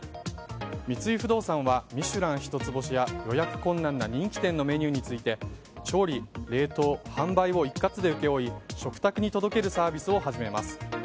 三井不動産はミシュラン一つ星や予約困難な人気店のメニューについて調理、冷凍、販売を一括で請け負い食卓に届けるサービスを始めます。